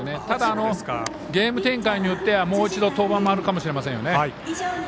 ただ、ゲーム展開によってはもう一度登板もあるかもしれませんね。